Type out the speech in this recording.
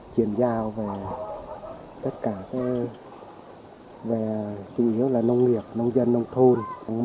chuyển giao về tất cả về chủ yếu là nông nghiệp nông dân nông thôn